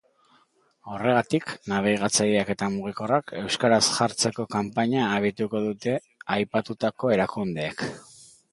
Horregatik, nabigatzaileak eta mugikorrak euskaraz jartzeko kanpaina abiatuko dute aipatutako erakundeek.